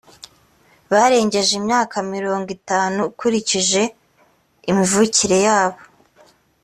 barengeje imyaka mirongo itanu ukurikiranije imivukire yabo?